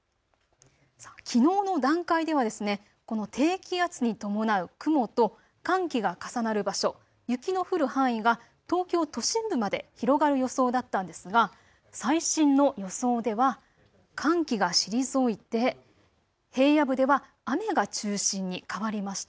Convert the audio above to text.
きのうの段階では、この低気圧に伴う雲と寒気が重なる場所雪の降る範囲が東京都心部まで広がる予想だったんですが最新の予想では寒気が退いて平野部では雨が中心に変わりました。